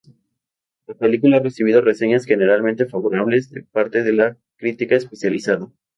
La película ha recibido reseñas generalmente favorables de parte de la crítica especializada.